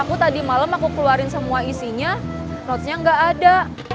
keluarin semua isinya notesnya gak ada